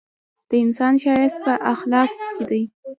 د انسان ښایست په اخلاقو کي دی!